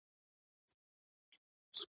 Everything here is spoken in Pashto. وخت د انسان ښوونکی دی